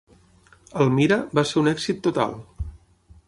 "Almira" va ser un èxit total.